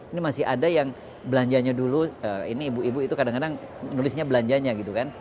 ini masih ada yang belanjanya dulu ini ibu ibu itu kadang kadang nulisnya belanjanya gitu kan